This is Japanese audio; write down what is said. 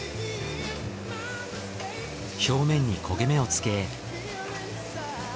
表面に焦げ目をつけ。